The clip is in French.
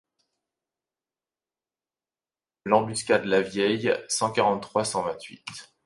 L’embuscade Lavieille cent quarante-trois cent vingt-huit.